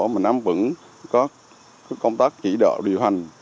mình vẫn có công tác chỉ đo điều hành